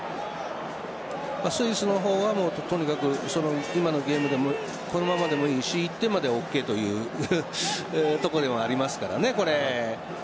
スイスの方はとにかく今のゲーム、このままでもいいし１点まではオーケーというところではありますからね。